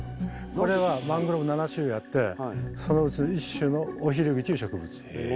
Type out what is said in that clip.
これはマングローブ７種類あってそのうちの１種のオヒルギという植物。